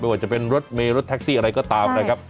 ว่าจะเป็นรถเมรถแท็กซี่อะไรก็ตามนะครับ